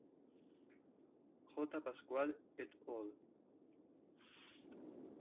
J. Pascual et al.